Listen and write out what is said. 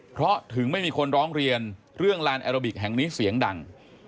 เพราะถึงไม่มีคนร้องเรียนเรื่องลานแอโรบิกแห่งนี้เสียงดัง